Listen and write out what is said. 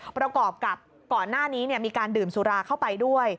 ประกอบกับก่อนหน้านี้มีการดื่มสุราเข้าไปด้วย